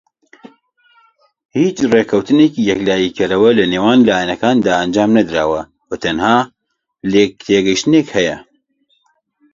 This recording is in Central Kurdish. هیچ ڕێککەوتنێکی یەکلایی کەرەوە لەنێوان لایەنەکاندا ئەنجام نەدراوە و تەنها لێکتێگەیشتن هەیە.